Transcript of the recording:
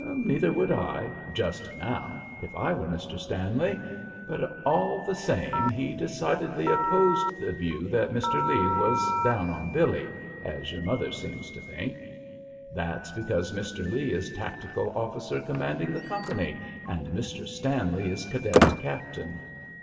"Neither would I just now if I were Mr. Stanley; but all the same, he decidedly opposed the view that Mr. Lee was 'down on Billy,' as your mother seems to think." "That's because Mr. Lee is tactical officer commanding the company, and Mr. Stanley is cadet captain.